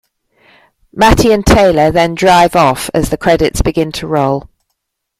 Matty and Taylor then drive off as the credits begin to roll.